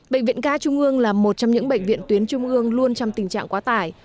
bệnh viện ca trung ương là một trong những bệnh viện tuyến trung ương luôn trong tình trạng quá tải